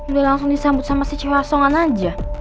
udah langsung disambut sama si cewek asongan aja